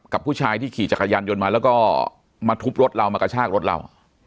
กับผู้ชายที่ขี่จักรยานยนต์มาแล้วก็มาทุบรถเรามากระชากรถเรา